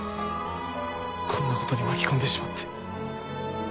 こんな事に巻き込んでしまって。